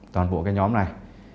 toàn bộ cái nhóm này